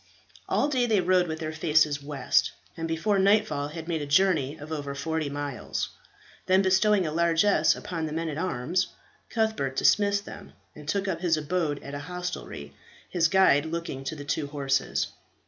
All day they rode with their faces west, and before nightfall had made a journey of over forty miles. Then bestowing a largess upon the men at arms, Cuthbert dismissed them, and took up his abode at a hostelry, his guide looking to the two horses.